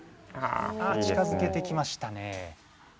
近づけてきましたね。